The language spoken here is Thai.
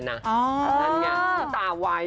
อ๋อนั่นเนี่ยตาไว้